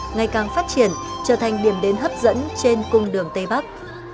ngày càng phát triển trở thành điểm đến hấp dẫn trên cung đường tây bắc